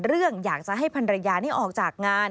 เรื่องอยากจะให้ภรรยานี่ออกจากงาน